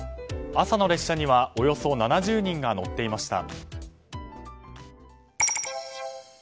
朝の列車には、およそ７０人が乗っていました。